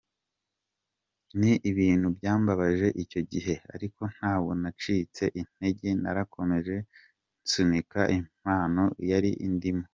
Ni ibintu byambabaje icyo gihe ariko ntabwo nacitse intege narakomeje nsunika impano yari indimo.